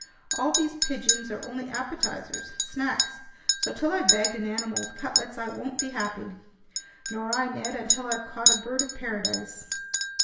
"All these pigeons are only appetizers, snacks. So till I've bagged an animal with cutlets, I won't be happy!" "Nor I, Ned, until I've caught a bird of paradise."